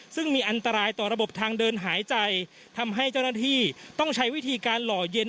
ซึ่งมีอันตรายต่อระบบทางเดินหายใจทำให้เจ้าหน้าที่ต้องใช้วิธีการหล่อเย็น